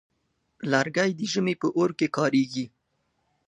لرګی د ژمي په اور کې کارېږي.